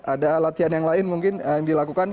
ada latihan yang lain mungkin yang dilakukan